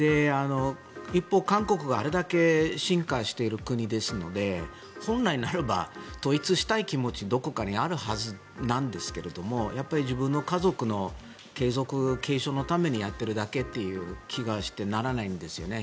一方、韓国はあれだけ進化している国ですので本来ならば統一したい気持ちどこかにあるはずなんですけれどやっぱり自分の家族の継続、継承のためだけにやっているだけという気がしてならないんですよね。